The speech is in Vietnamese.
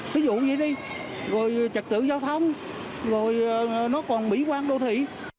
ví dụ như đi rồi trật tự giao thông rồi nó còn mỹ quan đô thị